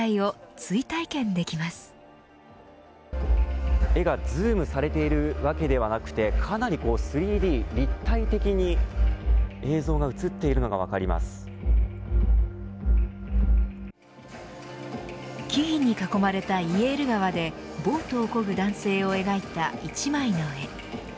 映画がズームされているわけではなくてかなり、３Ｄ立体的に映像が木々に囲まれたイエール川でボートを漕ぐ男性を描いた一枚の絵。